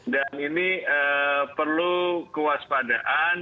dan ini perlu kewaspadaan